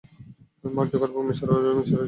Mark Zuckerberg Mishra ওয় মিশরা জি বস ডাকে।